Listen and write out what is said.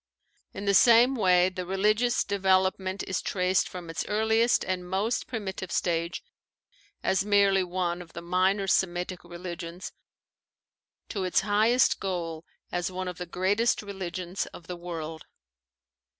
In the same way the religious development is traced from its earliest and most primitive stage, as merely one of the minor Semitic religions, to its highest goal as one of the great religions of the world.